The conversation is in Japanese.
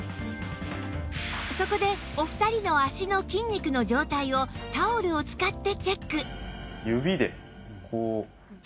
そこでお二人の足の筋肉の状態をタオルを使ってチェック